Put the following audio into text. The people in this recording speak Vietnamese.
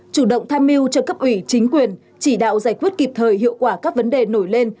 chủ động tham mưu cho cấp ủy chính quyền chỉ đạo giải quyết kịp thời hiệu quả các vấn đề nổi lên